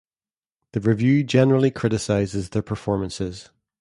The review generally criticizes the performances.